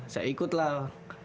saya ikut lah